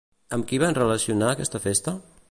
Amb qui van relacionar aquesta festa?